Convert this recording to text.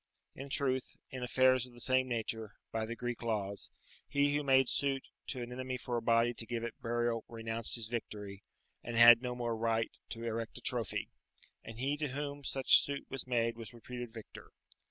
In truth, in affairs of the same nature, by the Greek laws, he who made suit to an enemy for a body to give it burial renounced his victory, and had no more right to erect a trophy, and he to whom such suit was made was reputed victor.